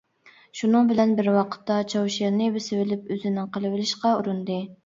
شۇنىڭ بىلەن بىر ۋاقىتتا چاۋشيەننى بېسىۋېلىپ، ئۆزىنىڭ قىلىۋېلىشقا ئۇرۇندى.